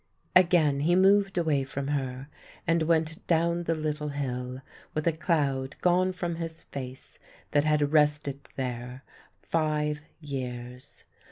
Again he moved away from her, and went down the little hill, with a cloud gone from his face that had rested there five years.